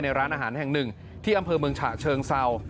ร้านอาหารแห่งหนึ่งที่อำเภอเมืองฉะเชิงเศร้า